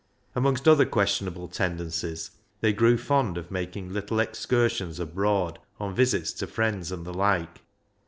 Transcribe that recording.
Amongst other questionable tendencies, they grew fond of making little excursions abroad on visits to friends and the like.